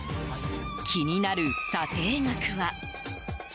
気になる査定額は？